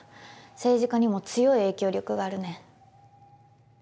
政治家にも強い影響力があるね。